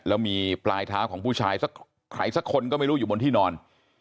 แล้วมีปลายเท้าของผู้ชายสักใครสักคนก็ไม่รู้อยู่บนที่นอน